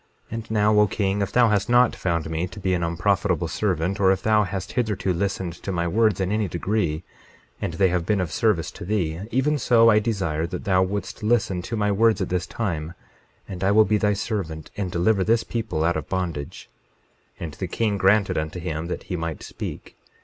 22:4 And now O king, if thou hast not found me to be an unprofitable servant, or if thou hast hitherto listened to my words in any degree, and they have been of service to thee, even so I desire that thou wouldst listen to my words at this time, and I will be thy servant and deliver this people out of bondage. 22:5 And the king granted unto him that he might speak.